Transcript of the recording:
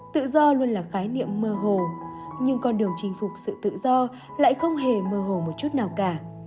tự do luôn là khái niệm mơ hồ nhưng con đường chinh phục sự tự do lại không hề mơ hồ một chút nào cả